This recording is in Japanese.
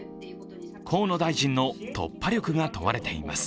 河野大臣の突破力が問われています。